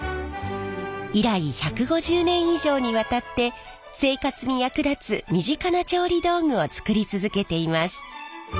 以来１５０年以上にわたって生活に役立つ身近な調理道具を作り続けています。